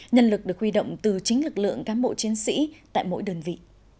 nhân lực được huy động từ chính lực lượng cám bộ chiến sĩ tại mỗi đơn vị